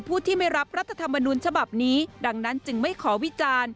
ผู้ที่ไม่รับรัฐธรรมนุนฉบับนี้ดังนั้นจึงไม่ขอวิจารณ์